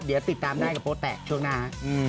เดี๋ยวติดตามได้กับโป๊แตะช่วงหน้าฮะ